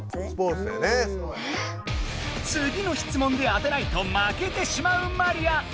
次の質問で当てないと負けてしまうマリア。